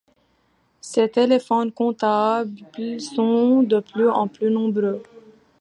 Ces téléphones compatibles sont de plus en plus nombreux.